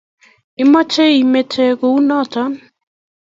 Imache imete kunoto?